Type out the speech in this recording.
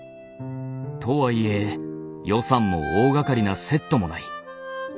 とはいえ予算も大がかりなセットもない。